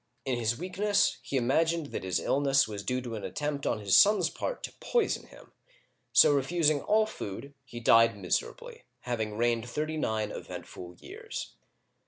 In his weakness, he imagined that bis illness was due to an attempt on his son's part to poison him, so refusing all food, he died miserably, having reigned thirty nine eventful years.